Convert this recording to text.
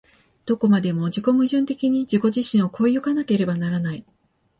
どこまでも自己矛盾的に自己自身を越え行かなければならない。